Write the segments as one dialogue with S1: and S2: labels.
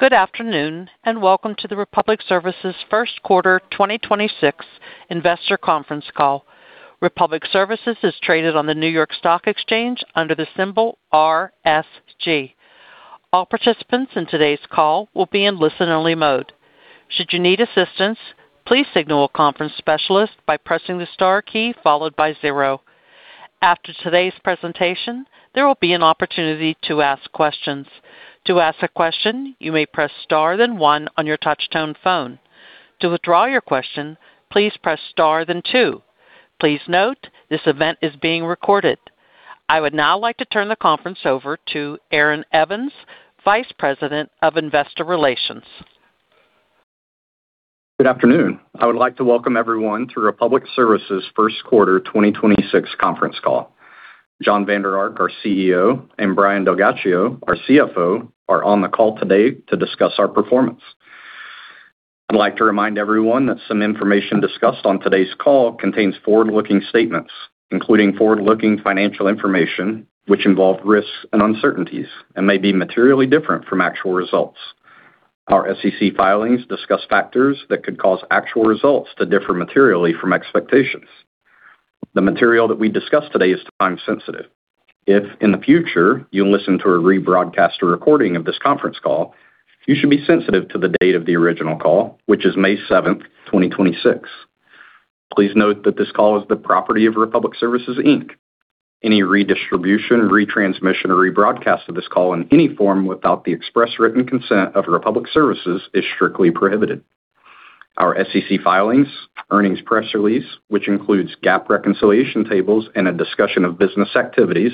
S1: Good afternoon, and welcome to the Republic Services first quarter 2026 investor conference call. Republic Services is traded on the New York Stock Exchange under the symbol RSG. I would now like to turn the conference over to Aaron Evans, Vice President of Investor Relations.
S2: Good afternoon. I would like to welcome everyone to Republic Services first quarter 2026 conference call. Jon Vander Ark, our CEO, and Brian DelGhiaccio, our CFO, are on the call today to discuss our performance. I'd like to remind everyone that some information discussed on today's call contains forward-looking statements, including forward-looking financial information, which involve risks and uncertainties and may be materially different from actual results. Our SEC filings discuss factors that could cause actual results to differ materially from expectations. The material that we discuss today is time-sensitive. If, in the future, you listen to a rebroadcast or recording of this conference call, you should be sensitive to the date of the original call, which is May 7, 2026. Please note that this call is the property of Republic Services Inc. Any redistribution, retransmission, or rebroadcast of this call in any form without the express written consent of Republic Services is strictly prohibited. Our SEC filings, earnings press release, which includes GAAP reconciliation tables and a discussion of business activities,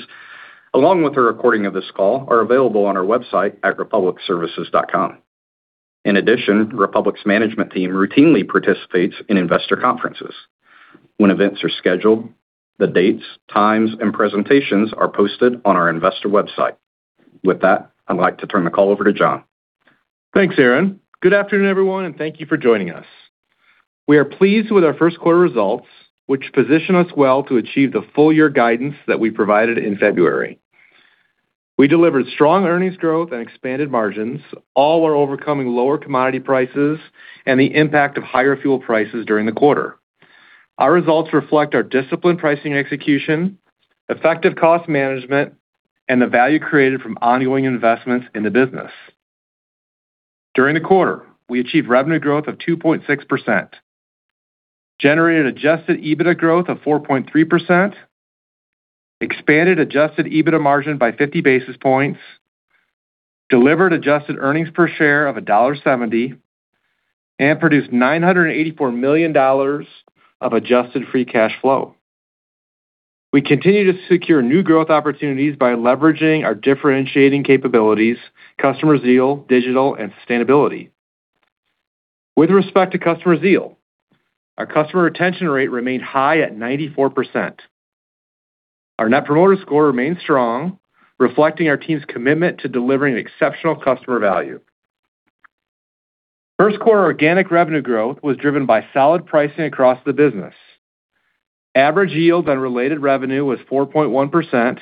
S2: along with a recording of this call, are available on our website at republicservices.com. In addition, Republic's management team routinely participates in investor conferences. When events are scheduled, the dates, times, and presentations are posted on our investor website. With that, I'd like to turn the call over to Jon.
S3: Thanks, Aaron. Good afternoon, everyone, and thank you for joining us. We are pleased with our first quarter results, which position us well to achieve the full year guidance that we provided in February. We delivered strong earnings growth and expanded margins. All while overcoming lower commodity prices and the impact of higher fuel prices during the quarter. Our results reflect our disciplined pricing execution, effective cost management, and the value created from ongoing investments in the business. During the quarter, we achieved revenue growth of 2.6%, generated adjusted EBITDA growth of 4.3%, expanded adjusted EBITDA margin by fifty basis points, delivered adjusted earnings per share of $1.70, and produced $984 million of adjusted free cash flow. We continue to secure new growth opportunities by leveraging our differentiating capabilities, customer zeal, digital, and sustainability. With respect to customer zeal, our customer retention rate remained high at 94%. Our net promoter score remains strong, reflecting our team's commitment to delivering exceptional customer value. First quarter organic revenue growth was driven by solid pricing across the business. Average yield on related revenue was 4.1%,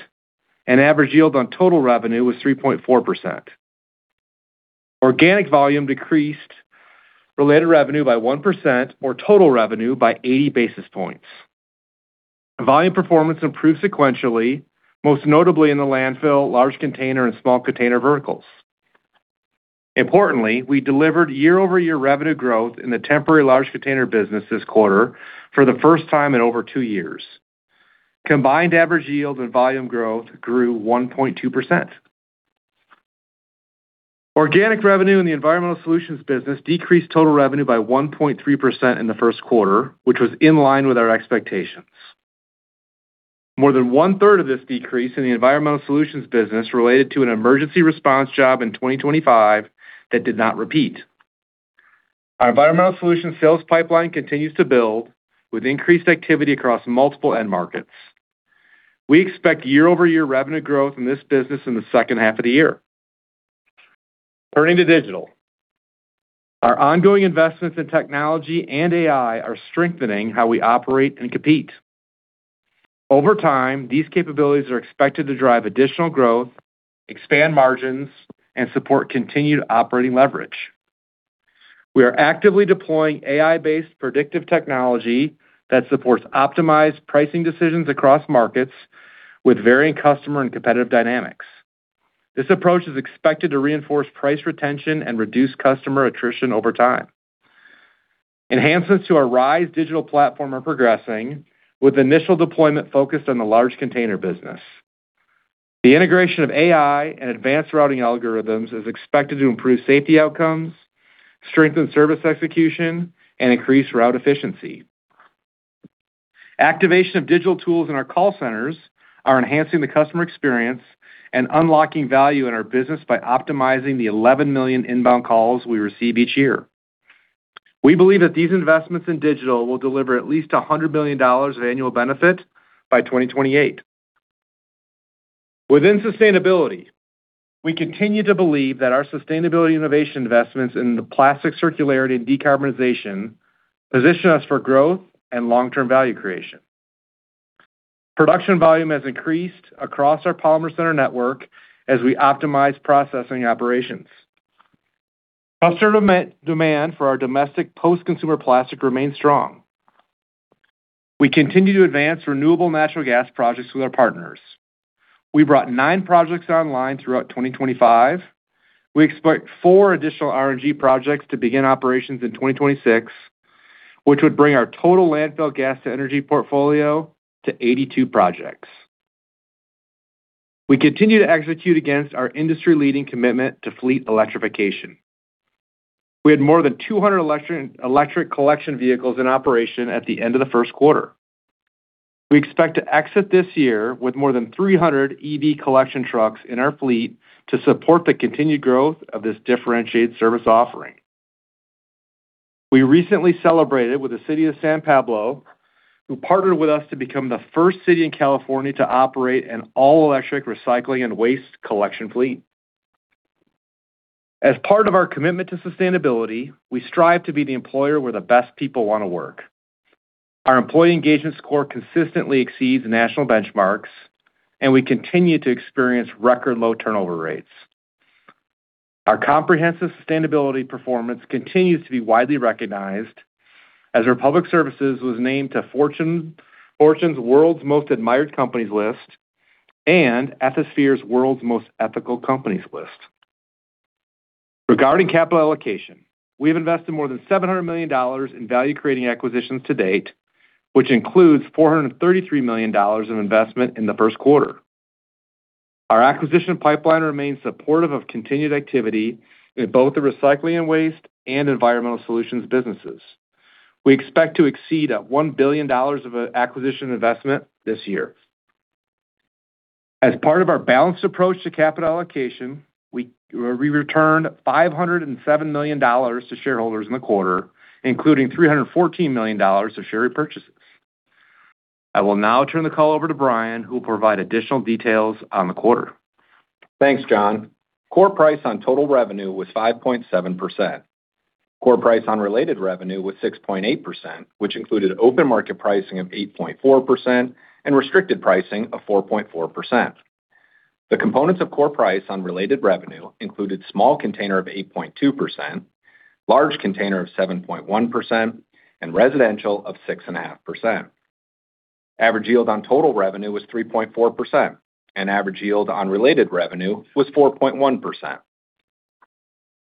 S3: and average yield on total revenue was 3.4%. Organic volume decreased related revenue by 1% or total revenue by 80 basis points. Volume performance improved sequentially, most notably in the landfill, large container, and small container verticals. Importantly, we delivered year-over-year revenue growth in the temporary large container business this quarter for the first time in over two years. Combined average yield and volume growth grew 1.2%. Organic revenue in the environmental solutions business decreased total revenue by 1.3% in the first quarter, which was in line with our expectations. More than 1/3 of this decrease in the environmental solutions business related to an emergency response job in 2025 that did not repeat. Our environmental solution sales pipeline continues to build with increased activity across multiple end markets. We expect year-over-year revenue growth in this business in the second half of the year. Turning to digital. Our ongoing investments in technology and AI are strengthening how we operate and compete. Over time, these capabilities are expected to drive additional growth, expand margins, and support continued operating leverage. We are actively deploying AI-based predictive technology that supports optimized pricing decisions across markets with varying customer and competitive dynamics. This approach is expected to reinforce price retention and reduce customer attrition over time. Enhancements to our RISE digital platform are progressing with initial deployment focused on the large container business. The integration of AI and advanced routing algorithms is expected to improve safety outcomes, strengthen service execution, and increase route efficiency. Activation of digital tools in our call centers are enhancing the customer experience and unlocking value in our business by optimizing the 11 million inbound calls we receive each year. We believe that these investments in digital will deliver at least $100 billion of annual benefit by 2028. Within sustainability, we continue to believe that our sustainability innovation investments in the plastic circularity and decarbonization position us for growth and long-term value creation. Production volume has increased across our polymer center network as we optimize processing operations. Customer demand for our domestic post-consumer plastic remains strong. We continue to advance renewable natural gas projects with our partners. We brought nine projects online throughout 2025. We expect four additional RNG projects to begin operations in 2026, which would bring our total landfill gas to energy portfolio to 82 projects. We continue to execute against our industry-leading commitment to fleet electrification. We had more than 200 electric collection vehicles in operation at the end of the first quarter. We expect to exit this year with more than 300 EV collection trucks in our fleet to support the continued growth of this differentiated service offering. We recently celebrated with the City of San Pablo, who partnered with us to become the first city in California to operate an all-electric recycling and waste collection fleet. As part of our commitment to sustainability, we strive to be the employer where the best people want to work. Our employee engagement score consistently exceeds national benchmarks, and we continue to experience record low turnover rates. Our comprehensive sustainability performance continues to be widely recognized as Republic Services was named to Fortune's World's Most Admired Companies list and Ethisphere's World's Most Ethical Companies list. Regarding capital allocation, we've invested more than $700 million in value-creating acquisitions to date, which includes $433 million of investment in the first quarter. Our acquisition pipeline remains supportive of continued activity in both the recycling and waste and environmental solutions businesses. We expect to exceed at $1 billion of acquisition investment this year. As part of our balanced approach to capital allocation, we returned $507 million to shareholders in the quarter, including $314 million of share repurchases. I will now turn the call over to Brian, who will provide additional details on the quarter.
S4: Thanks, Jon. Core price on total revenue was 5.7%. Core price on related revenue was 6.8%, which included open market pricing of 8.4% and restricted pricing of 4.4%. The components of core price on related revenue included small container of 8.2%, large container of 7.1%, and residential of 6.5%. Average yield on total revenue was 3.4%, and average yield on related revenue was 4.1%.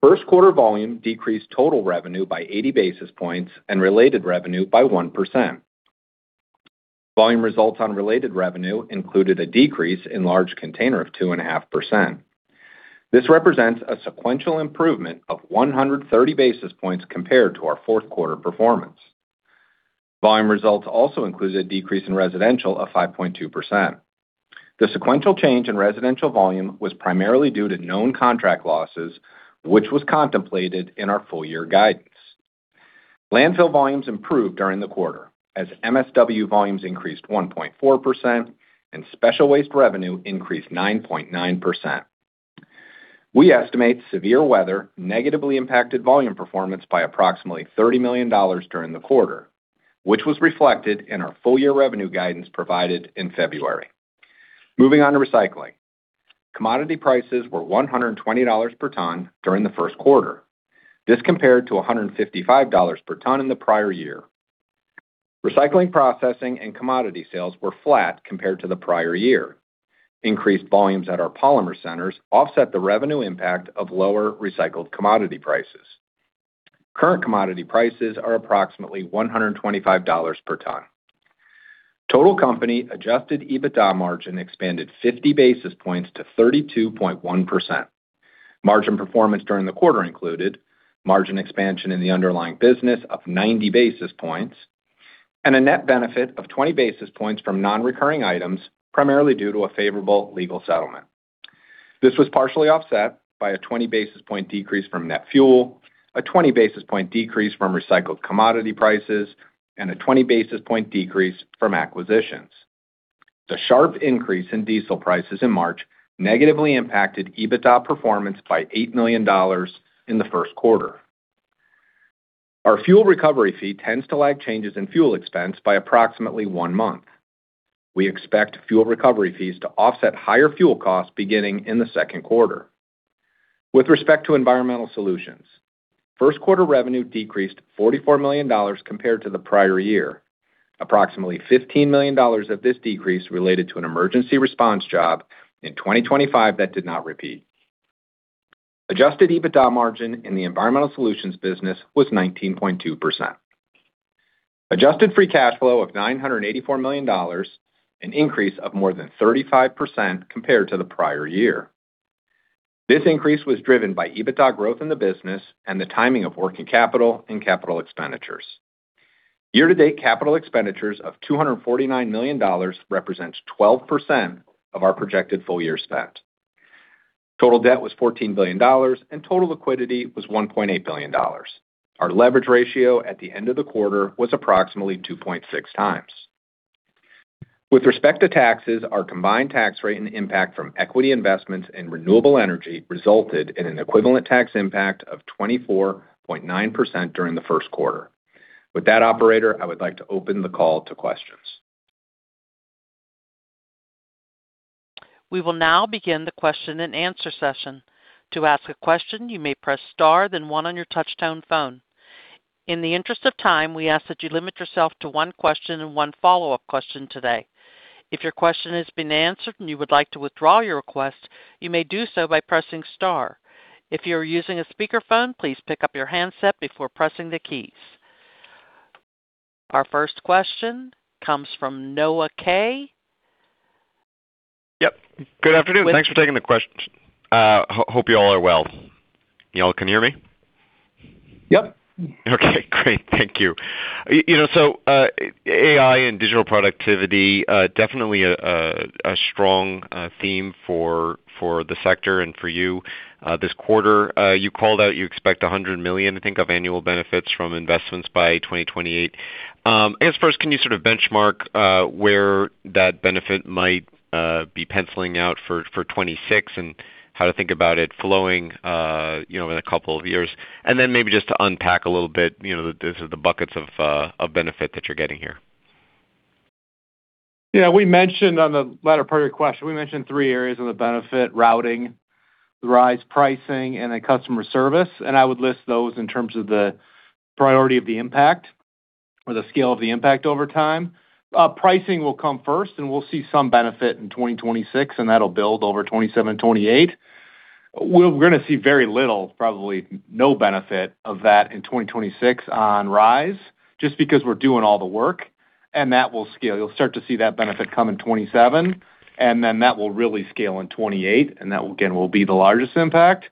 S4: First quarter volume decreased total revenue by 80 basis points and related revenue by 1%. Volume results on related revenue included a decrease in large container of 2.5%. This represents a sequential improvement of 130 basis points compared to our fourth quarter performance. Volume results also includes a decrease in residential of 5.2%. The sequential change in residential volume was primarily due to known contract losses, which was contemplated in our full year guidance. Landfill volumes improved during the quarter as MSW volumes increased 1.4% and special waste revenue increased 9.9%. We estimate severe weather negatively impacted volume performance by approximately $30 million during the quarter, which was reflected in our full-year revenue guidance provided in February. Moving on to recycling. Commodity prices were $120 per ton during the first quarter. This compared to $155 per ton in the prior year. Recycling, processing, and commodity sales were flat compared to the prior year. Increased volumes at our polymer centers offset the revenue impact of lower recycled commodity prices. Current commodity prices are approximately $125 per ton. Total company adjusted EBITDA margin expanded 50 basis points to 32.1%. Margin performance during the quarter included margin expansion in the underlying business of 90 basis points and a net benefit of 20 basis points from non-recurring items, primarily due to a favorable legal settlement. This was partially offset by a 20 basis point decrease from net fuel, a 20 basis point decrease from recycled commodity prices, and a 20 basis point decrease from acquisitions. The sharp increase in diesel prices in March negatively impacted EBITDA performance by $8 million in the first quarter. Our fuel recovery fee tends to lag changes in fuel expense by approximately one month. We expect fuel recovery fees to offset higher fuel costs beginning in the second quarter. With respect to environmental solutions, first quarter revenue decreased $44 million compared to the prior year. Approximately $15 million of this decrease related to an emergency response job in 2025 that did not repeat. Adjusted EBITDA margin in the environmental solutions business was 19.2%. Adjusted free cash flow of $984 million, an increase of more than 35% compared to the prior year. This increase was driven by EBITDA growth in the business and the timing of working capital and capital expenditures. Year-to-date capital expenditures of $249 million represents 12% of our projected full-year spend. Total debt was $14 billion, and total liquidity was $1.8 billion. Our leverage ratio at the end of the quarter was approximately 2.6x. With respect to taxes, our combined tax rate and impact from equity investments in renewable energy resulted in an equivalent tax impact of 24.9% during the first quarter. With that, operator, I would like to open the call to questions.
S1: We will now begin the question and answer session. To ask a question, you may press star then one on your touchtone phone. In the interest of time, we ask that you limit yourself to one question and one follow-up question today. If your question has been answered and you would like to withdraw your request, you may do so by pressing star. If you are using a speakerphone, please pick up your handset before pressing the keys. Our first question comes from Noah Kaye.
S5: Yep. Good afternoon. Thanks for taking the question. Hope you all are well. You all can hear me?
S3: Yep.
S5: Okay, great. Thank you. You know, AI and digital productivity, definitely a strong theme for the sector and for you this quarter. You called out you expect 100 million, I think, of annual benefits from investments by 2028. I guess first, can you sort of benchmark where that benefit might be penciling out for 2026 and how to think about it flowing, you know, in a couple of years? Maybe just to unpack a little bit, you know, the buckets of benefit that you're getting here.
S3: Yeah. We mentioned on the latter part of your question, we mentioned three areas of the benefit: routing, the RISE pricing, and then customer service. I would list those in terms of the priority of the impact or the scale of the impact over time. Pricing will come first, and we'll see some benefit in 2026, and that'll build over 2027, 2028. We're gonna see very little, probably no benefit of that in 2026 on RISE, just because we're doing all the work, and that will scale. You'll start to see that benefit come in 2027, and then that will really scale in 2028, and that, again, will be the largest impact.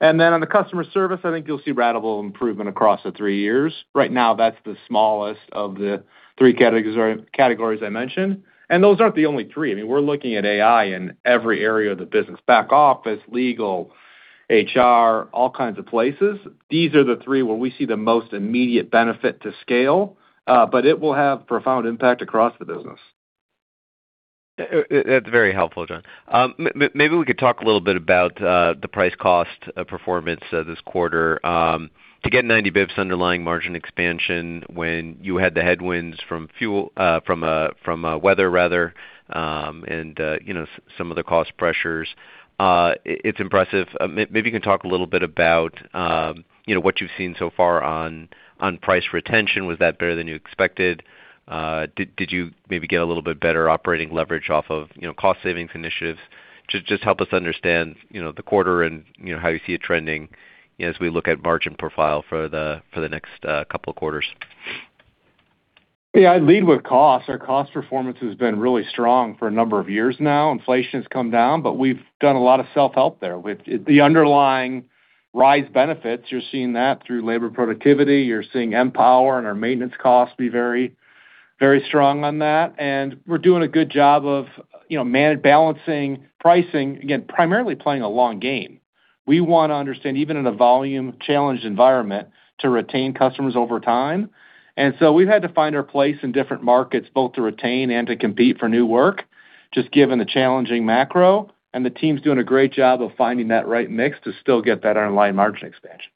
S3: On the customer service, I think you'll see ratable improvement across the three years. Right now, that's the smallest of the three categories I mentioned. Those aren't the only three. I mean, we're looking at AI in every area of the business, back office, legal, HR, all kinds of places. These are the three where we see the most immediate benefit to scale, but it will have profound impact across the business.
S5: That's very helpful, Jon. Maybe we could talk a little bit about the price cost performance this quarter. To get 90 basis points underlying margin expansion when you had the headwinds from weather rather, and you know, some of the cost pressures, it's impressive. Maybe you can talk a little bit about, you know, what you've seen so far on price retention. Was that better than you expected? Did you maybe get a little bit better operating leverage off of, you know, cost savings initiatives? Just help us understand, you know, the quarter and, you know, how you see it trending as we look at margin profile for the next couple of quarters.
S3: Yeah. I'd lead with cost. Our cost performance has been really strong for a number of years now. Inflation has come down, but we've done a lot of self-help there. With the underlying RISE benefits, you're seeing that through labor productivity. You're seeing MPower and our maintenance costs be very, very strong on that. We're doing a good job of, you know, balancing pricing, again, primarily playing a long game. We want to understand, even in a volume-challenged environment, to retain customers over time. We've had to find our place in different markets, both to retain and to compete for new work, just given the challenging macro, and the team's doing a great job of finding that right mix to still get that online margin expansion.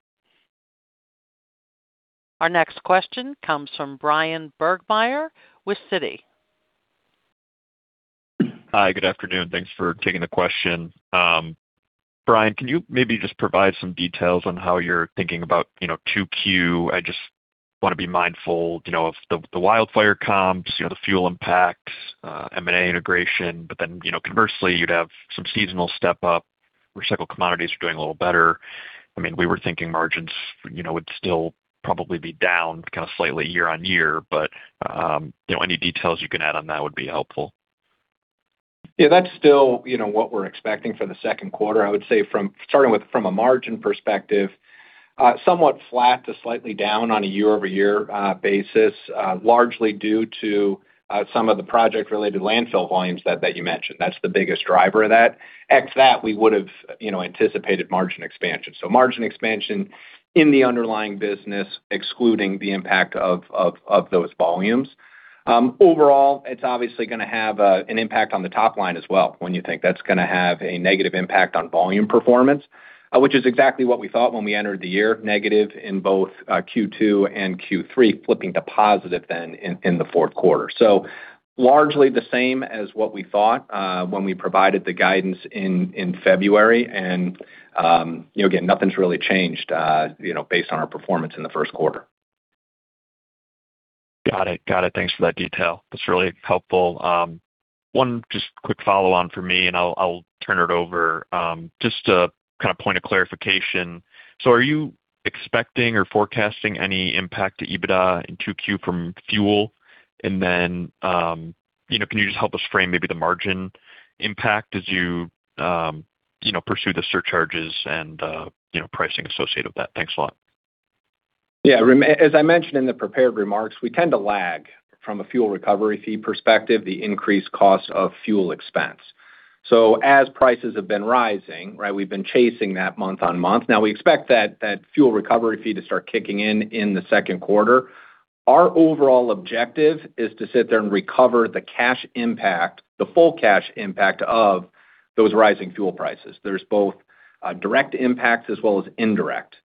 S1: Our next question comes from Bryan Burgmeier with Citi.
S6: Hi, good afternoon. Thanks for taking the question. Brian, can you maybe just provide some details on how you're thinking about, you know, 2Q? I just wanna be mindful, you know, of the wildfire comps, you know, the fuel impacts, M&A integration. You know, conversely, you'd have some seasonal step-up, recycled commodities are doing a little better. I mean, we were thinking margins, you know, would still probably be down kind of slightly year-over-year, but, you know, any details you can add on that would be helpful.
S4: That's still, you know, what we're expecting for the second quarter. I would say starting with from a margin perspective, somewhat flat to slightly down on a year-over-year basis, largely due to some of the project-related landfill volumes that you mentioned. That's the biggest driver of that. Except that, we would've, you know, anticipated margin expansion. Margin expansion in the underlying business, excluding the impact of those volumes. Overall, it's obviously gonna have an impact on the top line as well when you think that's gonna have a negative impact on volume performance, which is exactly what we thought when we entered the year, negative in both Q2 and Q3, flipping to positive then in the fourth quarter. Largely the same as what we thought when we provided the guidance in February. You know, again, nothing's really changed, you know, based on our performance in the first quarter.
S6: Got it. Got it. Thanks for that detail. That's really helpful. One just quick follow-on for me, and I'll turn it over. Just a kind of point of clarification. Are you expecting or forecasting any impact to EBITDA in 2Q from fuel? You know, can you just help us frame maybe the margin impact as you know, pursue the surcharges and, you know, pricing associated with that? Thanks a lot.
S4: As I mentioned in the prepared remarks, we tend to lag from a fuel recovery fee perspective, the increased cost of fuel expense. As prices have been rising, right, we've been chasing that month on month. Now we expect that fuel recovery fee to start kicking in in the second quarter. Our overall objective is to sit there and recover the cash impact, the full cash impact of those rising fuel prices. There's both direct impacts as well as indirect.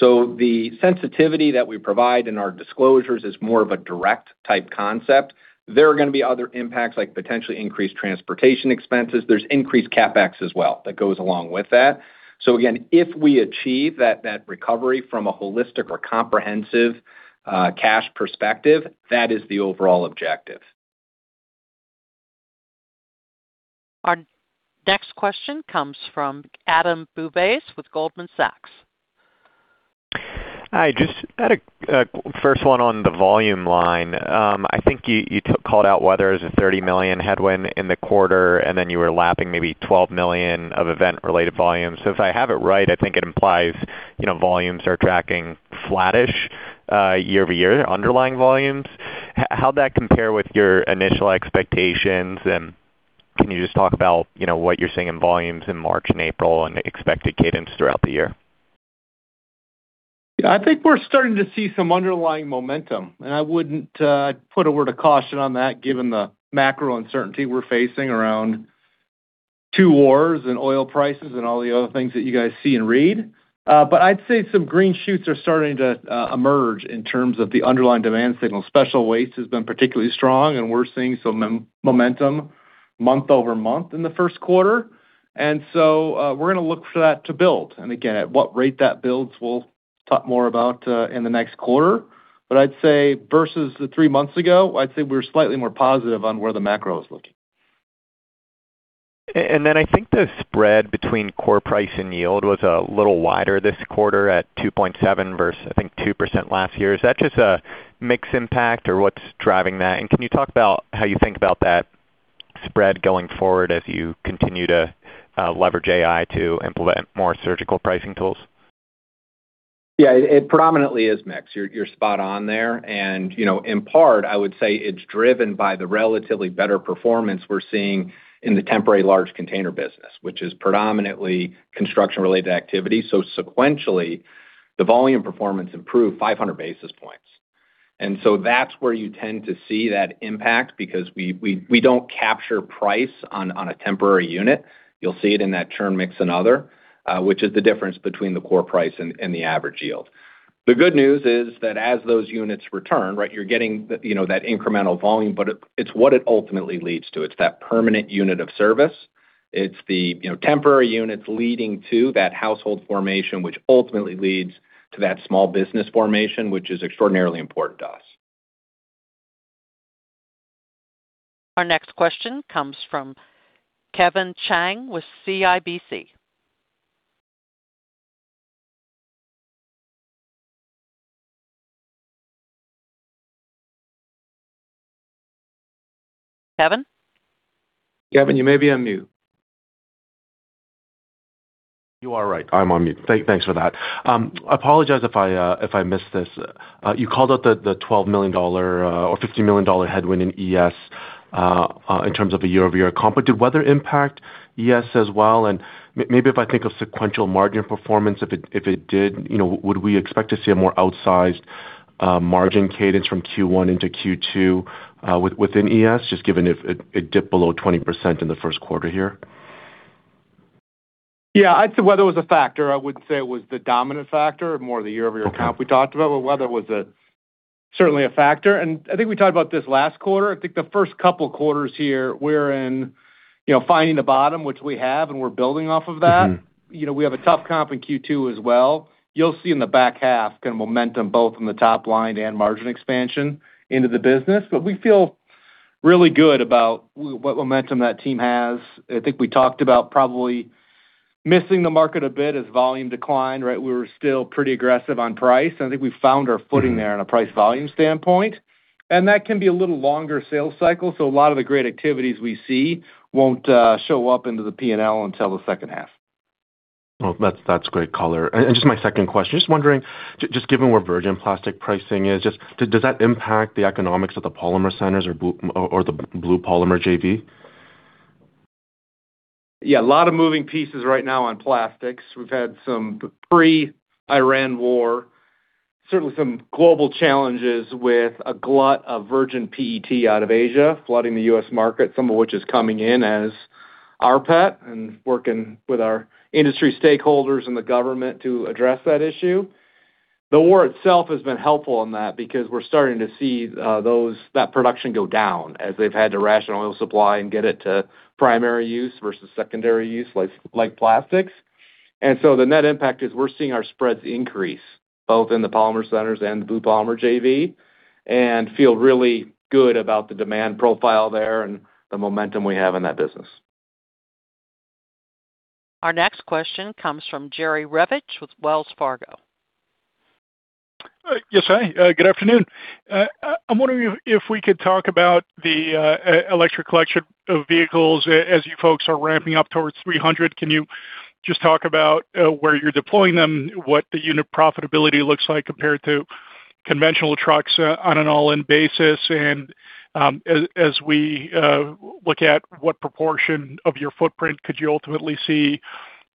S4: The sensitivity that we provide in our disclosures is more of a direct type concept. There are gonna be other impacts like potentially increased transportation expenses. There's increased CapEx as well that goes along with that. Again, if we achieve that recovery from a holistic or comprehensive cash perspective, that is the overall objective.
S1: Our next question comes from Adam Bubes with Goldman Sachs.
S7: Just had first one on the volume line. I think you called out weather as a $30 million headwind in the quarter, and then you were lapping maybe $12 million of event-related volume. If I have it right, I think it implies, you know, volumes are tracking flattish year-over-year, underlying volumes. How'd that compare with your initial expectations, and can you just talk about, you know, what you're seeing in volumes in March and April and expected cadence throughout the year?
S3: Yeah, I think we're starting to see some underlying momentum, and I wouldn't put a word of caution on that given the macro uncertainty we're facing around two wars and oil prices and all the other things that you guys see and read. I'd say some green shoots are starting to emerge in terms of the underlying demand signal. Special waste has been particularly strong, and we're seeing some momentum month-over-month in the first quarter. We're gonna look for that to build. Again, at what rate that builds, we'll talk more about in the next quarter. I'd say versus the three months ago, I'd say we're slightly more positive on where the macro is looking.
S7: I think the spread between core price and yield was a little wider this quarter at 2.7% versus, I think, 2% last year. Is that just a mix impact or what's driving that? Can you talk about how you think about that spread going forward as you continue to leverage AI to implement more surgical pricing tools?
S4: It predominantly is mix. You're spot on there. In part, I would say it's driven by the relatively better performance we're seeing in the temporary large container business, which is predominantly construction-related activity. Sequentially, the volume performance improved 500 basis points. That's where you tend to see that impact because we don't capture price on a temporary unit. You'll see it in that churn mix and other, which is the difference between the core price and the average yield. The good news is that as those units return, right, you're getting that incremental volume, but it's what it ultimately leads to. It's that permanent unit of service. It's the, you know, temporary units leading to that household formation, which ultimately leads to that small business formation, which is extraordinarily important to us.
S1: Our next question comes from Kevin Chiang with CIBC. Kevin? Kevin, you may be on mute.
S8: You are right. I'm on mute. Thanks for that. I apologize if I, if I missed this. You called out the $12 million or $15 million headwind in ES in terms of a year-over-year comp. Did weather impact ES as well? Maybe if I think of sequential margin performance, if it did, you know, would we expect to see a more outsized margin cadence from Q1 into Q2 within ES, just given it dipped below 20% in the first quarter here?
S3: Yeah, I'd say weather was a factor. I wouldn't say it was the dominant factor, more the year-over-year comp we talked about.
S8: Okay.
S3: Weather was certainly a factor. I think we talked about this last quarter. I think the first couple quarters here we're in, you know, finding the bottom, which we have, and we're building off of that. You know, we have a tough comp in Q2 as well. You'll see in the back half kinda momentum both from the top line and margin expansion into the business. We feel really good about what momentum that team has. I think we talked about probably missing the market a bit as volume declined, right? We were still pretty aggressive on price, and I think we found our footing there on a price volume standpoint. that can be a little longer sales cycle, so a lot of the great activities we see won't show up into the P&L until the second half.
S8: Well, that's great color. Just my second question, just wondering, given where virgin plastic pricing is, just does that impact the economics of the polymer centers or the Blue Polymers JV?
S3: Yeah, a lot of moving pieces right now on plastics. We've had some pre-Iran war, certainly some global challenges with a glut of virgin PET out of Asia flooding the U.S. market, some of which is coming in as rPET and working with our industry stakeholders and the government to address that issue. The war itself has been helpful in that because we're starting to see that production go down as they've had to ration oil supply and get it to primary use versus secondary use like plastics. The net impact is we're seeing our spreads increase both in the polymer centers and the Blue Polymers JV, and feel really good about the demand profile there and the momentum we have in that business.
S1: Our next question comes from Jerry Revich with Wells Fargo.
S9: Yes, hi. Good afternoon. I'm wondering if we could talk about the electric collection of vehicles. As you folks are ramping up towards 300, can you just talk about where you're deploying them, what the unit profitability looks like compared to conventional trucks on an all-in basis? As we look at what proportion of your footprint could you ultimately see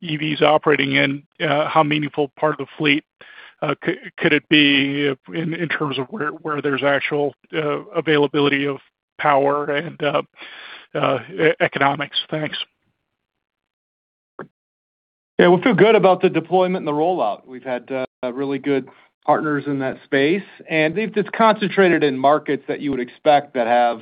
S9: EVs operating in, how meaningful part of the fleet could it be in terms of where there's actual availability of power and economics? Thanks.
S3: Yeah, we feel good about the deployment and the rollout. We've had really good partners in that space, and it's concentrated in markets that you would expect that have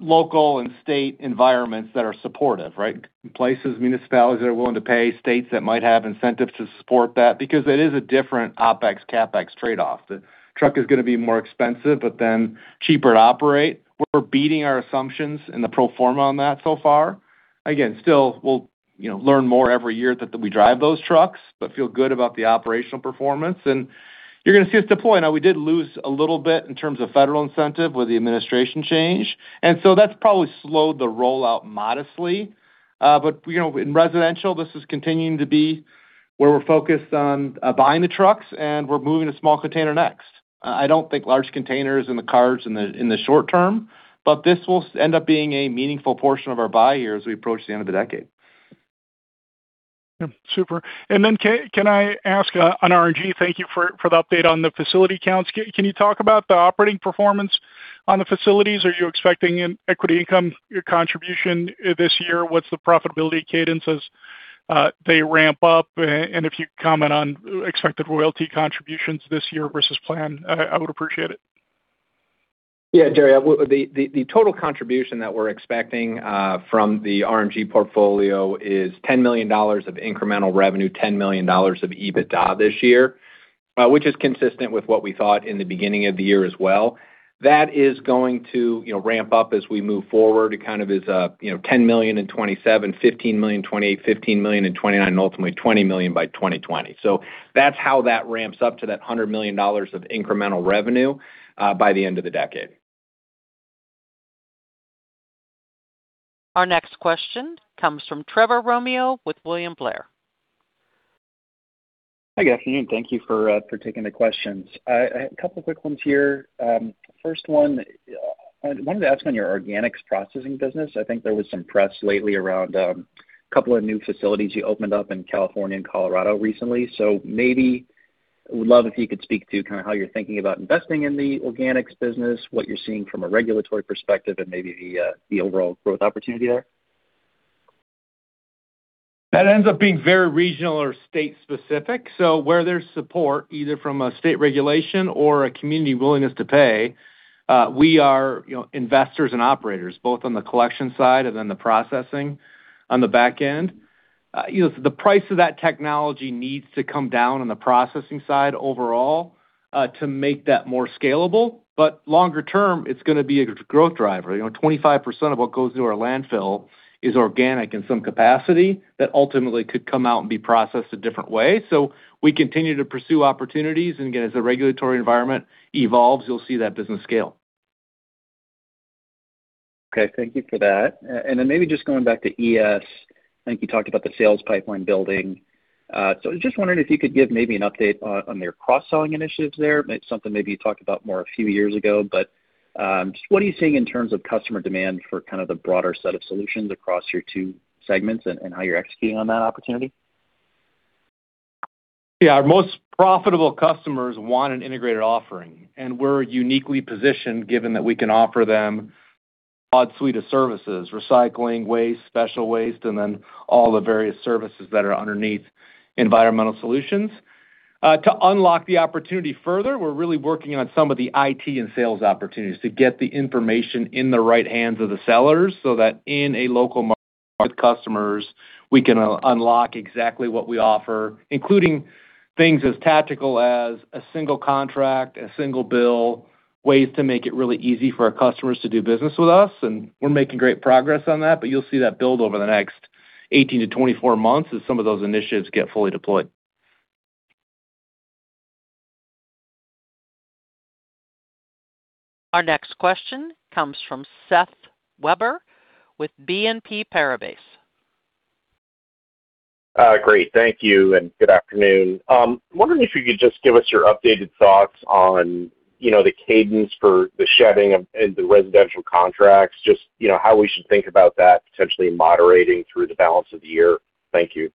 S3: local and state environments that are supportive, right? Places, municipalities that are willing to pay, states that might have incentives to support that because it is a different OpEx, CapEx trade-off. The truck is gonna be more expensive, but then cheaper to operate. We're beating our assumptions in the pro forma on that so far. Again, still, we'll, you know, learn more every year that we drive those trucks, but feel good about the operational performance. You're gonna see us deploy. Now, we did lose a little bit in terms of federal incentive with the administration change, and so that's probably slowed the rollout modestly. You know, in residential, this is continuing to be where we're focused on, buying the trucks, and we're moving to small container next. I don't think large containers in the short term, but this will end up being a meaningful portion of our buy here as we approach the end of the decade.
S9: Yeah. Super. Then I ask on RNG? Thank you for the update on the facility counts. Can you talk about the operating performance on the facilities? Are you expecting an equity income contribution this year? What's the profitability cadences they ramp up? If you could comment on expected royalty contributions this year versus plan, I would appreciate it.
S4: Yeah, Jerry, the total contribution that we're expecting from the RNG portfolio is $10 million of incremental revenue, $10 million of EBITDA this year, which is consistent with what we thought in the beginning of the year as well. That is going to, you know, ramp up as we move forward. It kind of is, you know, $10 million in 2027, $15 million in 2028, $15 million in 2029, and ultimately $20 million by 2020. That's how that ramps up to that $100 million of incremental revenue by the end of the decade.
S1: Our next question comes from Trevor Romeo with William Blair.
S10: Hi, good afternoon. Thank you for taking the questions. I couple quick ones here. First one, I wanted to ask on your organics processing business. I think there was some press lately around a couple of new facilities you opened up in California and Colorado recently. Maybe would love if you could speak to kind of how you're thinking about investing in the organics business, what you're seeing from a regulatory perspective, and maybe the overall growth opportunity there.
S3: That ends up being very regional or state specific. Where there's support, either from a state regulation or a community willingness to pay, we are, you know, investors and operators, both on the collection side and then the processing on the back end. You know, the price of that technology needs to come down on the processing side overall, to make that more scalable. Longer term, it's gonna be a growth driver. You know, 25% of what goes to our landfill is organic in some capacity that ultimately could come out and be processed a different way. We continue to pursue opportunities, and again, as the regulatory environment evolves, you'll see that business scale.
S10: Okay. Thank you for that. Maybe just going back to ES. I think you talked about the sales pipeline building. I was just wondering if you could give maybe an update on your cross-selling initiatives there. It's something maybe you talked about more a few years ago, but just what are you seeing in terms of customer demand for kind of the broader set of solutions across your two segments and how you're executing on that opportunity?
S3: Our most profitable customers want an integrated offering, and we're uniquely positioned given that we can offer them our suite of services, recycling, waste, special waste, and then all the various services that are underneath environmental solutions. To unlock the opportunity further, we're really working on some of the IT and sales opportunities to get the information in the right hands of the sellers so that in a local market with customers, we can unlock exactly what we offer, including things as tactical as a single contract, a single bill, ways to make it really easy for our customers to do business with us, and we're making great progress on that. You'll see that build over the next 18 to 24 months as some of those initiatives get fully deployed.
S1: Our next question comes from Seth Weber with BNP Paribas.
S11: Great. Thank you, and good afternoon. I'm wondering if you could just give us your updated thoughts on, you know, the cadence for the shedding of, and the residential contracts, just, you know, how we should think about that potentially moderating through the balance of the year. Thank you.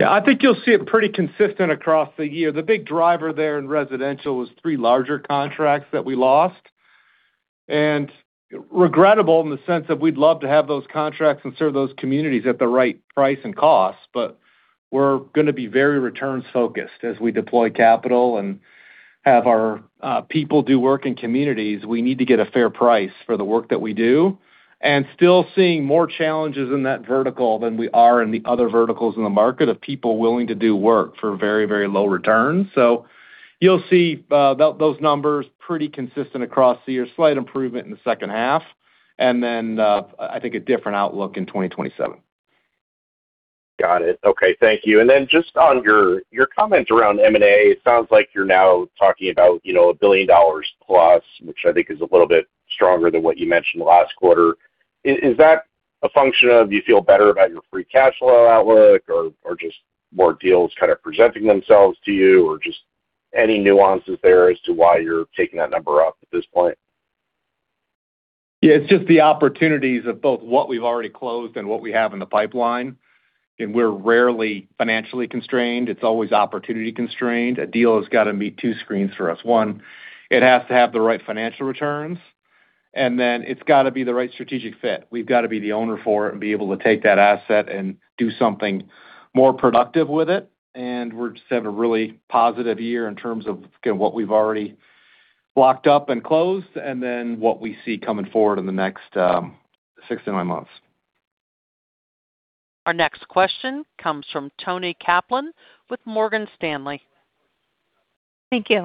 S3: Yeah. I think you'll see it pretty consistent across the year. The big driver there in residential was three larger contracts that we lost. Regrettable in the sense that we'd love to have those contracts and serve those communities at the right price and cost, but we're gonna be very returns-focused. As we deploy capital and have our people do work in communities, we need to get a fair price for the work that we do, and still seeing more challenges in that vertical than we are in the other verticals in the market of people willing to do work for very, very low returns. You'll see those numbers pretty consistent across the year. Slight improvement in the second half, and then I think a different outlook in 2027.
S11: Got it. Okay. Thank you. Just on your comment around M&A, it sounds like you're now talking about, you know, $1+ billion, which I think is a little bit stronger than what you mentioned last quarter. Is that a function of you feel better about your free cash flow outlook or just more deals kind of presenting themselves to you, or just any nuances there as to why you're taking that number up at this point?
S3: Yeah. It's just the opportunities of both what we've already closed and what we have in the pipeline. We're rarely financially constrained. It's always opportunity constrained. A deal has got to meet two screens for us. One, it has to have the right financial returns, and then it's got to be the right strategic fit. We've got to be the owner for it and be able to take that asset and do something more productive with it. We just have a really positive year in terms of, again, what we've already locked up and closed and then what we see coming forward in the next six to nine months.
S1: Our next question comes from Toni Kaplan with Morgan Stanley.
S12: Thank you.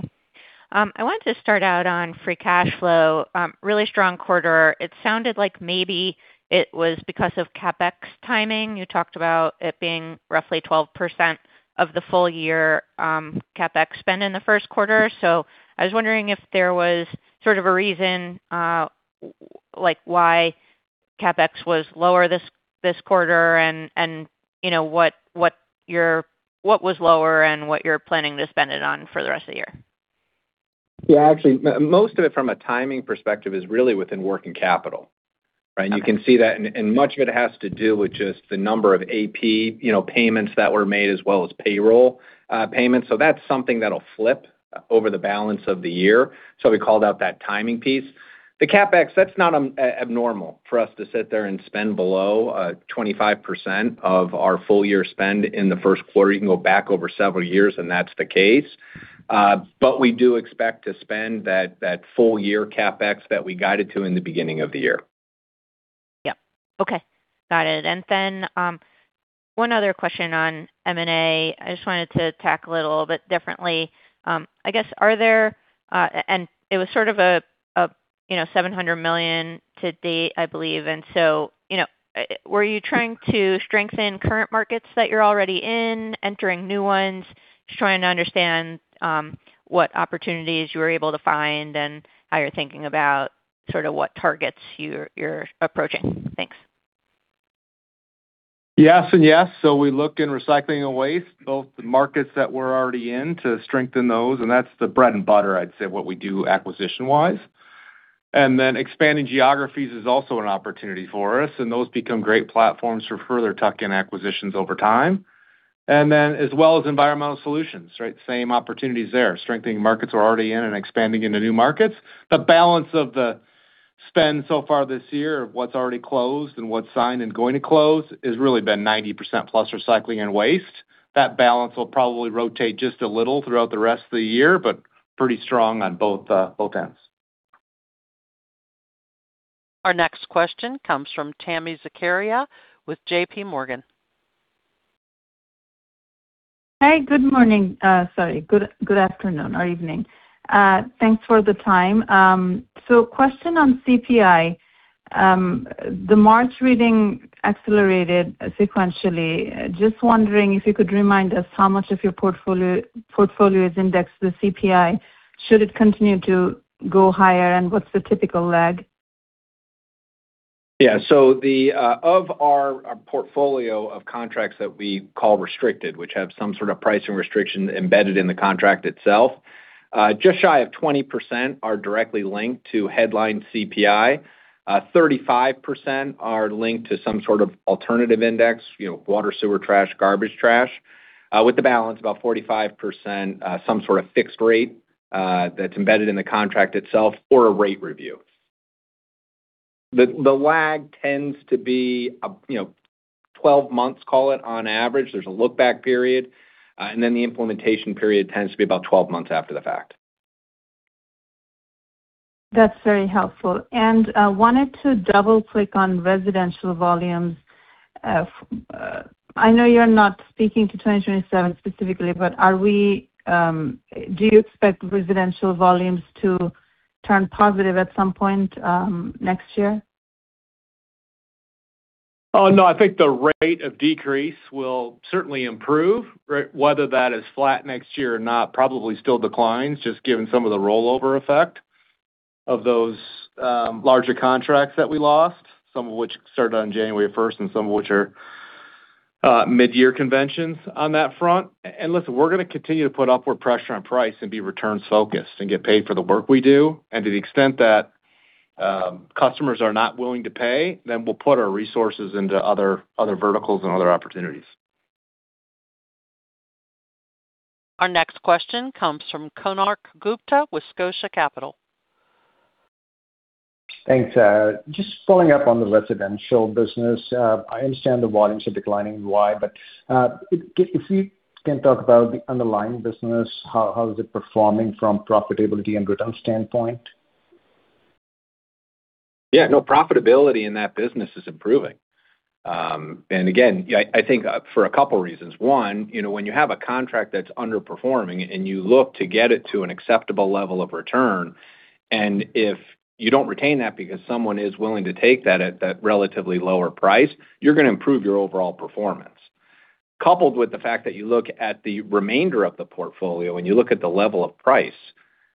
S12: I wanted to start out on free cash flow. Really strong quarter. It sounded like maybe it was because of CapEx timing. You talked about it being roughly 12% of the full year CapEx spend in the first quarter. I was wondering if there was sort of a reason like why CapEx was lower this quarter and you know what was lower and what you're planning to spend it on for the rest of the year.
S4: Yeah, actually, most of it from a timing perspective is really within working capital. Right? You can see that. Much of it has to do with just the number of AP, you know, payments that were made as well as payroll, payments. That's something that'll flip over the balance of the year. We called out that timing piece. The CapEx, that's not abnormal for us to sit there and spend below, 25% of our full year spend in the first quarter. You can go back over several years, and that's the case. We do expect to spend that full year CapEx that we guided to in the beginning of the year.
S12: Yeah. Okay. Got it. One other question on M&A. I just wanted to attack a little bit differently. I guess, are there $700 million to date, I believe. You know, were you trying to strengthen current markets that you're already in, entering new ones? Just trying to understand what opportunities you were able to find and how you're thinking about sort of what targets you're approaching. Thanks.
S3: Yes and yes. We look in recycling and waste, both the markets that we're already in to strengthen those, and that's the bread and butter, I'd say, what we do acquisition-wise. Expanding geographies is also an opportunity for us, and those become great platforms for further tuck-in acquisitions over time. As well as environmental solutions, right? Same opportunities there. Strengthening markets we're already in and expanding into new markets. The balance of the spend so far this year of what's already closed and what's signed and going to close has really been 90% plus recycling and waste. That balance will probably rotate just a little throughout the rest of the year, but pretty strong on both ends.
S1: Our next question comes from Tami Zakaria with JPMorgan.
S13: Hey, good morning. Sorry, good afternoon or evening. Thanks for the time. Question on CPI. The March reading accelerated sequentially. Just wondering if you could remind us how much of your portfolio is indexed to the CPI, should it continue to go higher, and what's the typical lag?
S3: Our portfolio of contracts that we call restricted, which have some sort of pricing restriction embedded in the contract itself, just shy of 20% are directly linked to headline CPI. 35% are linked to some sort of alternative index, you know, water, sewer, trash, garbage trash. With the balance, about 45%, some sort of fixed rate, that's embedded in the contract itself or a rate review. The lag tends to be, you know, 12 months, call it, on average. There's a look-back period, and then the implementation period tends to be about 12 months after the fact.
S13: That's very helpful. Wanted to double-click on residential volumes. I know you're not speaking to 2027 specifically, but are we, do you expect residential volumes to turn positive at some point next year?
S4: Oh, no. I think the rate of decrease will certainly improve. Right? Whether that is flat next year or not, probably still declines, just given some of the rollover effect of those larger contracts that we lost, some of which started on January first and some of which are mid-year conventions on that front. Listen, we're gonna continue to put upward pressure on price and be returns-focused and get paid for the work we do. To the extent that customers are not willing to pay, then we'll put our resources into other verticals and other opportunities.
S1: Our next question comes from Konark Gupta with Scotia Capital.
S14: Thanks. Just following up on the residential business. I understand the volumes are declining and why, but if you can talk about the underlying business, how is it performing from profitability and return standpoint?
S3: Yeah. No profitability in that business is improving. Again, I think for a couple reasons. One, you know, when you have a contract that's underperforming and you look to get it to an acceptable level of return, and if you don't retain that because someone is willing to take that at that relatively lower price, you're gonna improve your overall performance. Coupled with the fact that you look at the remainder of the portfolio and you look at the level of price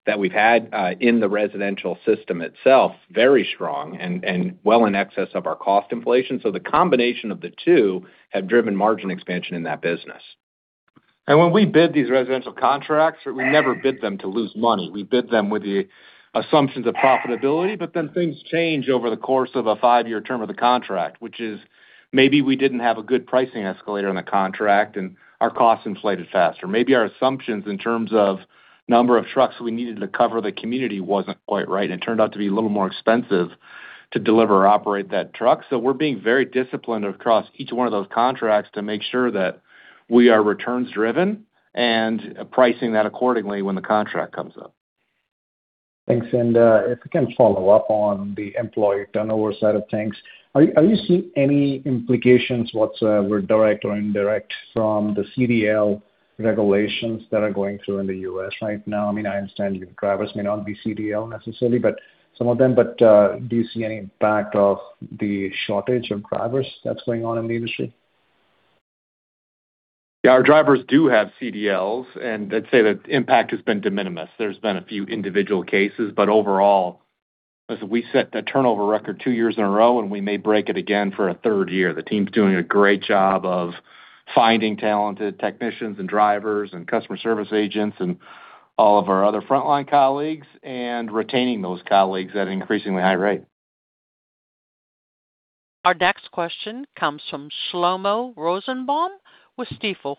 S3: that we've had in the residential system itself, very strong and well in excess of our cost inflation. The combination of the two have driven margin expansion in that business. When we bid these residential contracts, we never bid them to lose money. We bid them with the assumptions of profitability, but then things change over the course of a five-year term of the contract, which is maybe we didn't have a good pricing escalator on the contract and our costs inflated faster. Maybe our assumptions in terms of number of trucks we needed to cover the community wasn't quite right, and it turned out to be a little more expensive to deliver or operate that truck. We're being very disciplined across each one of those contracts to make sure that we are returns driven and pricing that accordingly when the contract comes up.
S14: Thanks. If we can follow up on the employee turnover side of things. Are you seeing any implications whatsoever, direct or indirect, from the CDL regulations that are going through in the U.S. right now? I mean, I understand your drivers may not be CDL necessarily, but some of them. Do you see any impact of the shortage of drivers that's going on in the industry?
S3: Yeah, our drivers do have CDLs, and I'd say the impact has been de minimis. There's been a few individual cases, but overall, as we set the turnover record two years in a row, and we may break it again for a third year, the team's doing a great job of finding talented technicians and drivers and customer service agents and all of our other frontline colleagues and retaining those colleagues at an increasingly high rate.
S1: Our next question comes from Shlomo Rosenbaum with Stifel.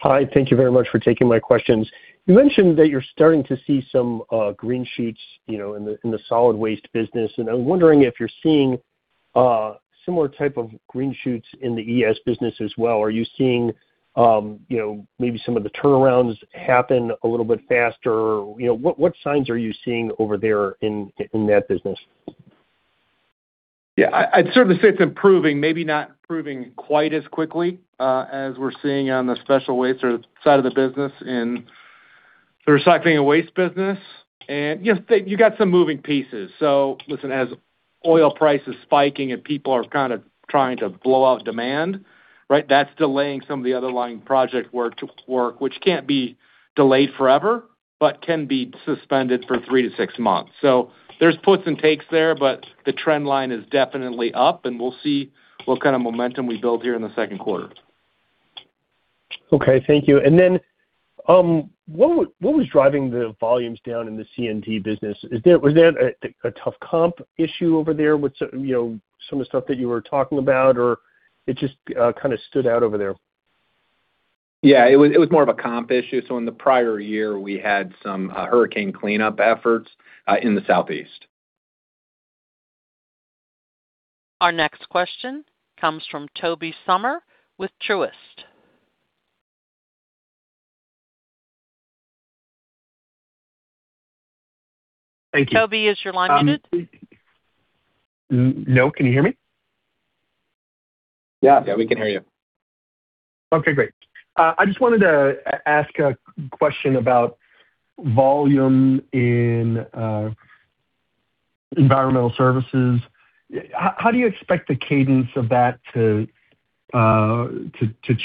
S15: Hi. Thank you very much for taking my questions. You mentioned that you're starting to see some green shoots, you know, in the solid waste business, and I'm wondering if you're seeing similar type of green shoots in the ES business as well. Are you seeing, you know, maybe some of the turnarounds happen a little bit faster? You know, what signs are you seeing over there in that business?
S3: Yeah. I'd certainly say it's improving, maybe not improving quite as quickly, as we're seeing on the special waste or side of the business in the recycling and waste business. You know, you got some moving pieces. Listen, as oil prices spiking and people are kinda trying to blow out demand, right? That's delaying some of the underlying project work to work, which can't be delayed forever, but can be suspended for three to six months. There's puts and takes there, but the trend line is definitely up, and we'll see what kind of momentum we build here in the second quarter.
S15: Okay, thank you. What was driving the volumes down in the C&D business? Was that a tough comp issue over there with you know, some of the stuff that you were talking about, or it just kind of stood out over there?
S3: Yeah, it was, it was more of a comp issue. In the prior year, we had some hurricane cleanup efforts in the southeast.
S1: Our next question comes from Tobey Sommer with Truist.
S16: Thank you.
S1: Tobey, is your line muted?
S16: No. Can you hear me?
S3: Yeah. Yeah, we can hear you.
S16: Okay, great. I just wanted to ask a question about volume in environmental services. How do you expect the cadence of that to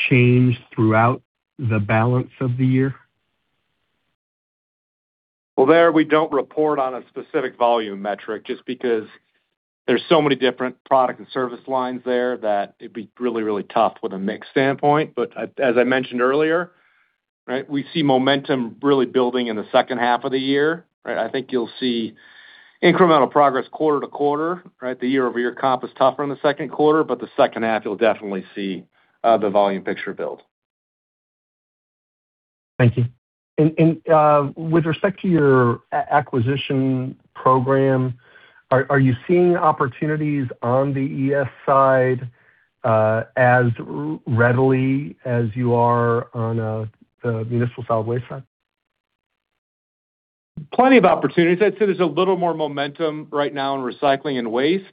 S16: change throughout the balance of the year?
S3: Well, there, we don't report on a specific volume metric just because there's so many different product and service lines there that it'd be really, really tough with a mix standpoint. As I mentioned earlier, right? We see momentum really building in the second half of the year. Right? I think you'll see incremental progress quarter-to-quarter. Right? The year-over-year comp is tougher in the second quarter, but the second half you'll definitely see the volume picture build.
S16: Thank you. With respect to your acquisition program, are you seeing opportunities on the ES side as readily as you are on the municipal solid waste side?
S3: Plenty of opportunities. I'd say there's a little more momentum right now in recycling and waste,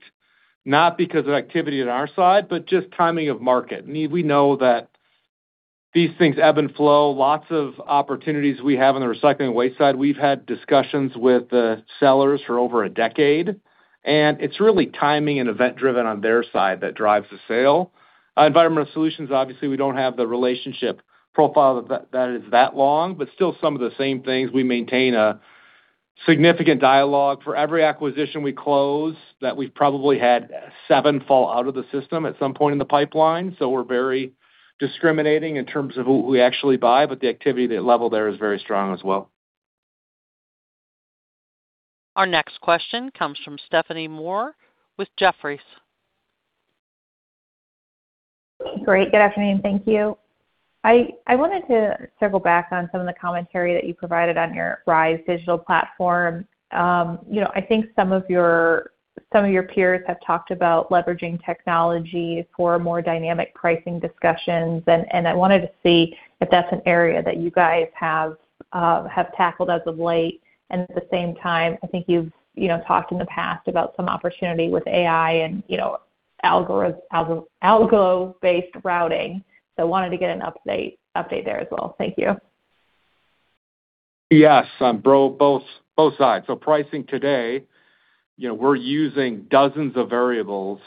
S3: not because of activity on our side, but just timing of market. We know that these things ebb and flow. Lots of opportunities we have on the recycling and waste side. We've had discussions with the sellers for over a decade, and it's really timing and event driven on their side that drives the sale. Environmental solutions, obviously, we don't have the relationship profile that is that long, but still some of the same things. We maintain a significant dialogue. For every acquisition we close, that we've probably had seven fall out of the system at some point in the pipeline. We're very discriminating in terms of who we actually buy, but the activity, the level there is very strong as well.
S1: Our next question comes from Stephanie Moore with Jefferies.
S17: Great. Good afternoon. Thank you. I wanted to circle back on some of the commentary that you provided on your RISE digital platform. You know, I think some of your peers have talked about leveraging technology for more dynamic pricing discussions, and I wanted to see if that's an area that you guys have tackled as of late. At the same time, I think you've, you know, talked in the past about some opportunity with AI and, you know, algo-based routing. Wanted to get an update there as well. Thank you.
S3: Yes, on both sides. Pricing today, you know, we're using dozens of variables,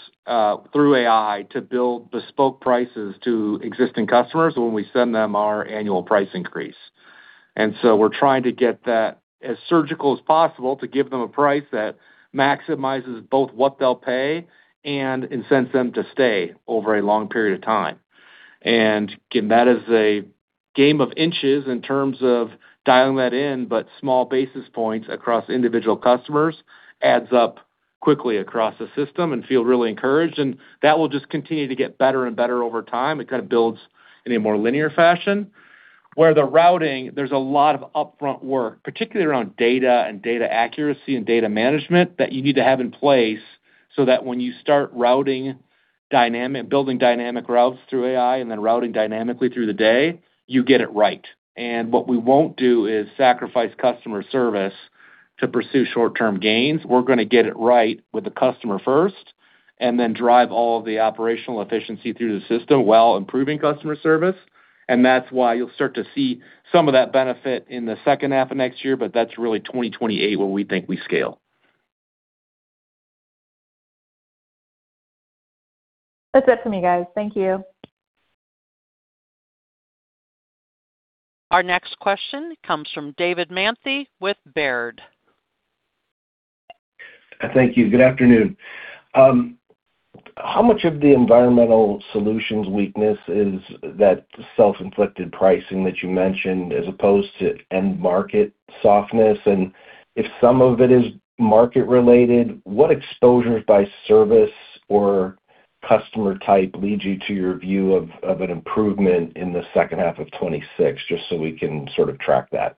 S3: through AI to build bespoke prices to existing customers when we send them our annual price increase. We're trying to get that as surgical as possible to give them a price that maximizes both what they'll pay and incents them to stay over a long period of time. Again, that is a game of inches in terms of dialing that in, but small basis points across individual customers adds up quickly across the system and feel really encouraged, and that will just continue to get better and better over time. It kind of builds in a more linear fashion. Where the routing, there's a lot of upfront work, particularly around data and data accuracy and data management that you need to have in place so that when you start routing dynamic, building dynamic routes through AI and then routing dynamically through the day, you get it right. What we won't do is sacrifice customer service to pursue short-term gains. We're gonna get it right with the customer first, and then drive all of the operational efficiency through the system while improving customer service. That's why you'll start to see some of that benefit in the second half of next year, but that's really 2028 when we think we scale.
S17: That's it for me, guys. Thank you.
S1: Our next question comes from David Manthey with Baird.
S18: Thank you. Good afternoon. How much of the environmental solutions weakness is that self-inflicted pricing that you mentioned as opposed to end market softness? If some of it is market related, what exposures by service or customer type lead you to your view of an improvement in the second half of 2026, just so we can sort of track that?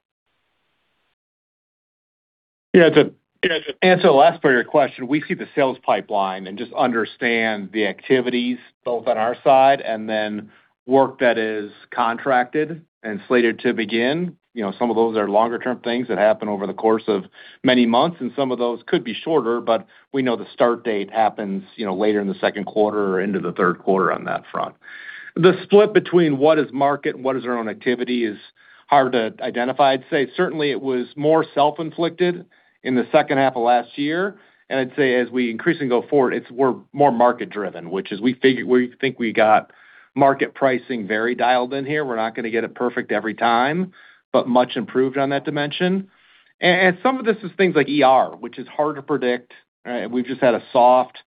S3: Yeah. To, you know, to answer the last part of your question, we see the sales pipeline and just understand the activities both on our side and then work that is contracted and slated to begin. You know, some of those are longer term things that happen over the course of many months, and some of those could be shorter, but we know the start date happens, you know, later in the second quarter or into the third quarter on that front. The split between what is market and what is our own activity is hard to identify. I'd say certainly it was more self-inflicted in the second half of last year. I'd say as we increasingly go forward, it's we're more market driven, which is we figure, we think we got market pricing very dialed in here. We're not gonna get it perfect every time, but much improved on that dimension. Some of this is things like ER, which is hard to predict. We've just had a soft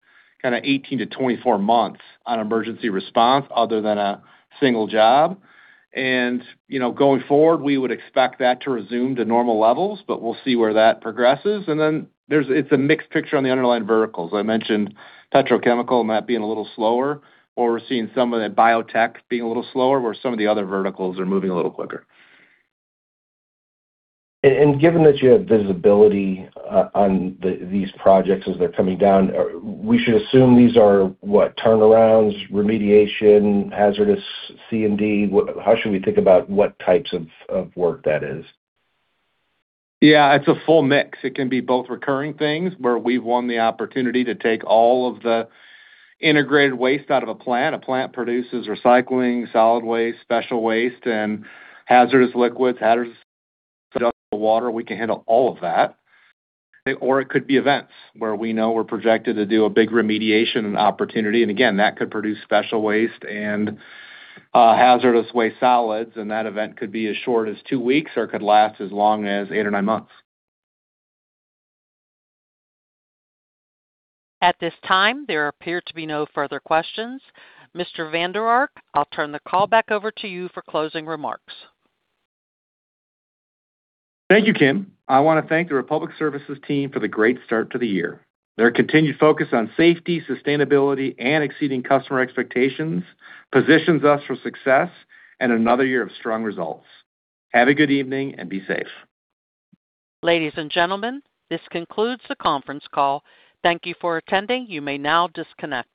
S3: kinda 18 to 24 months on emergency response other than a single job. You know, going forward, we would expect that to resume to normal levels, but we'll see where that progresses. There's a mixed picture on the underlying verticals. I mentioned petrochemical and that being a little slower, or we're seeing some of the biotech being a little slower, where some of the other verticals are moving a little quicker.
S18: Given that you have visibility on these projects as they're coming down, we should assume these are what? Turnarounds, remediation, hazardous C&D? How should we think about what types of work that is?
S3: Yeah, it's a full mix. It can be both recurring things where we've won the opportunity to take all of the integrated waste out of a plant. A plant produces recycling, solid waste, special waste, and hazardous liquids, hazardous water. We can handle all of that. It could be events where we know we're projected to do a big remediation and opportunity. Again, that could produce special waste and hazardous waste solids, and that event could be as short as two weeks or could last as long as eight or nine months.
S1: At this time, there appear to be no further questions. Mr. Vander Ark, I'll turn the call back over to you for closing remarks.
S3: Thank you, Kim. I wanna thank the Republic Services team for the great start to the year. Their continued focus on safety, sustainability, and exceeding customer expectations positions us for success and another year of strong results. Have a good evening and be safe.
S1: Ladies and gentlemen, this concludes the conference call. Thank you for attending. You may now disconnect.